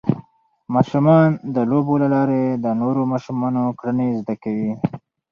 ماشومان د لوبو له لارې د نورو ماشومانو کړنې زده کوي.